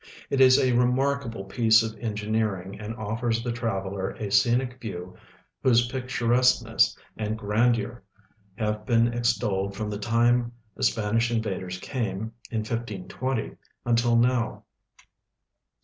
It is a remarkalile piece of engineering and offers the traveler a scenic view whose i)icturesqueness and grandeur have })een extolled from the time the Si)anish invaders came, in 1520, until now.